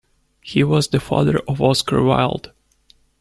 He was the father of Oscar Wilde.